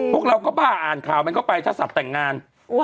พวกเราก็บ้าอ่านข่าวมันเข้าไปถ้าสับแต่งงาน